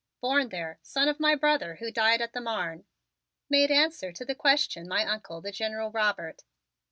"Born there; son of my brother, who died at the Marne," made answer to the question my Uncle, the General Robert.